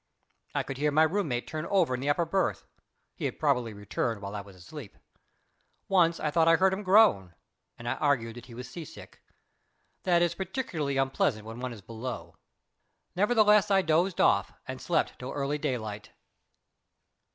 I could hear my room mate turn over in the upper berth. He had probably returned while I was asleep. Once I thought I heard him groan, and I argued that he was sea sick. That is particularly unpleasant when one is below. Nevertheless I dozed off and slept till early daylight.